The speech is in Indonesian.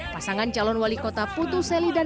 pasangan calon wali kota putu seli dan tgh abdul manan